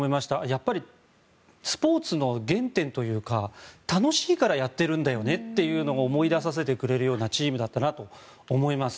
やっぱりスポーツの原点というか楽しいからやっているんだよねというのを思い出させてくれるようなチームだったなと思います。